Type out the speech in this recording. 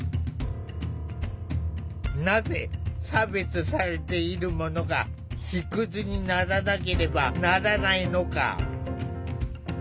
なぜ差別されている者が卑屈にならなければならないのか？